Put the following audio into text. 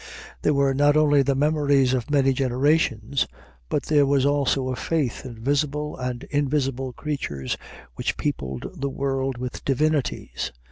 there were not only the memories of many generations, but there was also a faith in visible and invisible creatures which peopled the world with divinities.